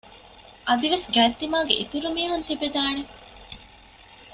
އަދިވެސް ގާތްތިމާގެ އިތުރު މީހުން ތިބެދާނެ